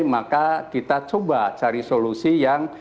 maka kita coba cari solusi yang